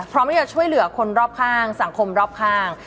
พร้อมที่จะช่วยเหลือคนรอบข้างสังคมรอบข้าง